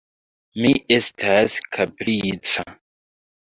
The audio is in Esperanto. Mi estas kaprica.